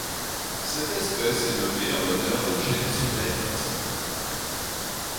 Cette espèce est nommée en l'honneur de James Ray Dixon.